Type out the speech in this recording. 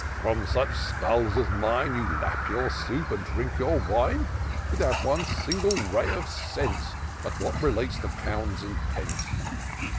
from such skulls as mine You lap your soup, and drink your wine. Without one single ray of sense But what relates to pounds and pence.